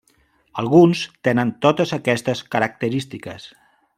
Alguns tenen totes aquestes característiques.